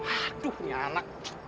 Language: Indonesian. aduh ini anak